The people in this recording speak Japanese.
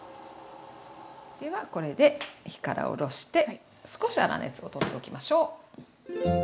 ではこれで火から下ろして少し粗熱を取っておきましょう。